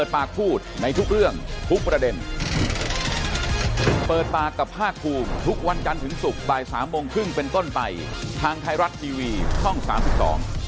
ถ้าพักใหญ่เขาไม่รวมกันหรอก